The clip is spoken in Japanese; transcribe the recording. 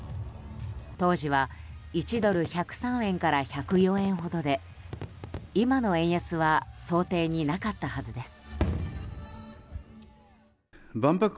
当時は、１ドル＝１０３円から１０４円ほどで今の円安は想定になかったはずです。